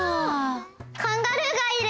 カンガルーがいる！